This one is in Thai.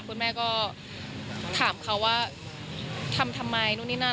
คุณแม่ก็ถามเขาว่าทำทำไมนู่นนี่นั่น